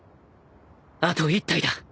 あと１体だ